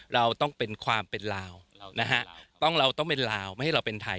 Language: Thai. เราต้องเป็นความเป็นลาวนะฮะเราต้องเป็นลาวไม่ให้เราเป็นไทย